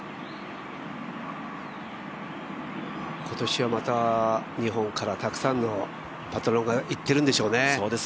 今年はまた日本からたくさんのパトロンが行っているんでしょうね。